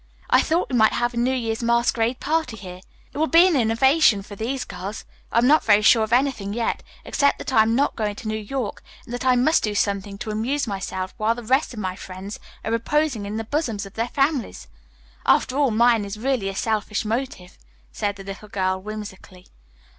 I thought we might have a New Year's masquerade party here. It will be an innovation for these girls. I am not very sure of anything yet, except that I am not going to New York and that I must do something to amuse myself while the rest of my friends are reposing in the bosoms of their families. After all, mine is really a selfish motive," said the little girl whimsically.